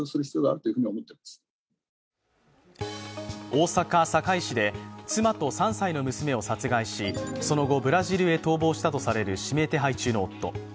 大阪・堺市で妻と３歳の娘を殺害しその後、ブラジルへ逃亡したとされる指名手配中の夫。